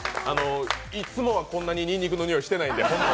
いつもは、こんなににんにくのにおいしてないです。